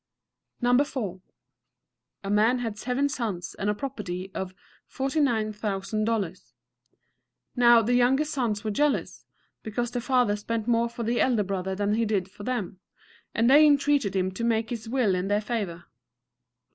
No. IV. A man had seven sons, and a property of $49,000. Now the younger sons were jealous because their father spent more for the elder brother than he did for them, and they entreated him to make his will in their favor.